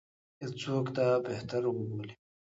یو څوک یې دا بهتر وبولي.